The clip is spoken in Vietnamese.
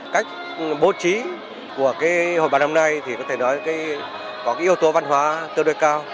cách bố trí của hội báo năm nay có yếu tố văn hóa tương đối cao